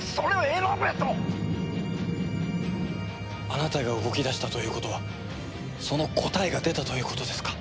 あなたが動き出したということはその答えが出たということですか？